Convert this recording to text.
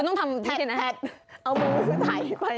คุณต้องทำแท็ดเอามือไปไถไป